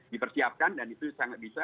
di persiapkan dan itu sangat bisa